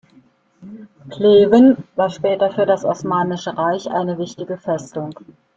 Plewen war später für das Osmanische Reich eine wichtige Festung.